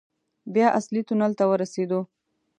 بيا اصلي تونل ته ورسېدو.